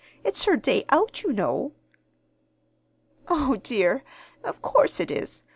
It's her day out, you know." "O dear, of course it is!